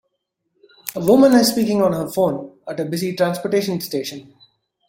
A woman is speaking on her phone at a busy transportation station.